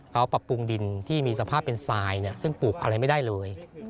เขาปรับปรุงดินที่มีสภาพเป็นทรายซึ่งปลูกอะไรไม่ได้เลย